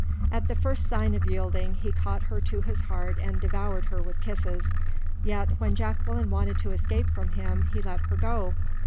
At the first sign of yielding, he caught her to his heart and devoured her with kisses. Yet, when Jacqueline wanted to escape from him, he let her go.